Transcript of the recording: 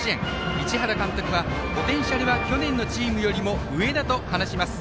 市原監督は、ポテンシャルは去年のチームよりも上だと話します。